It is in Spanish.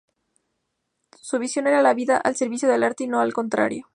Su visión era la vida al servicio del arte y no al contrario.